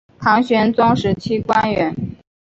唐玄宗时期官员。